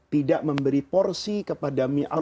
tidak memberi porsi kepada